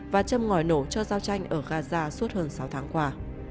và châm ngòi nổ cho giao tranh ở gaza suốt hơn sáu tháng qua